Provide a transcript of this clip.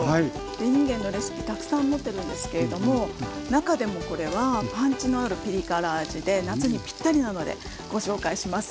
でいんげんのレシピたくさん持ってるんですけれども中でもこれはパンチのあるピリ辛味で夏にピッタリなのでご紹介します。